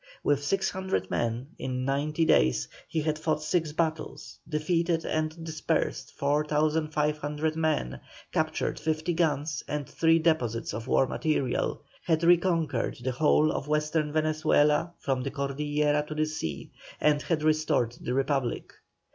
With 600 men, in ninety days, he had fought six battles, defeated and dispersed 4,500 men, captured fifty guns and three deposits of war material, had re conquered the whole of western Venezuela from the Cordillera to the sea, and had restored the Republic.